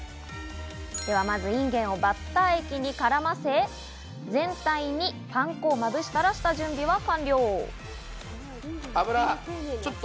まずインゲンをバッター液に絡ませ、全体にパン粉をまぶしたら下準備は完了。